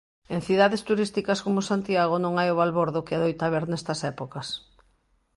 En cidades turísticas como Santiago non hai o balbordo que adoita haber nestas épocas.